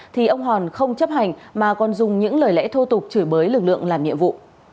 thì ông hòn không chấp hành mà còn dùng những lời lẽ thô tục chửi bới lực lượng làm nhiệm vụ